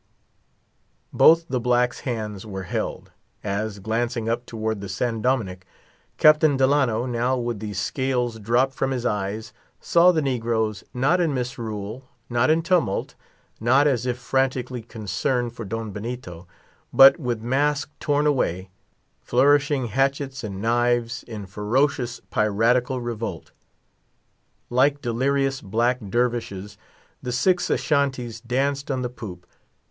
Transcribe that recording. Both the black's hands were held, as, glancing up towards the San Dominick, Captain Delano, now with scales dropped from his eyes, saw the negroes, not in misrule, not in tumult, not as if frantically concerned for Don Benito, but with mask torn away, flourishing hatchets and knives, in ferocious piratical revolt. Like delirious black dervishes, the six Ashantees danced on the poop.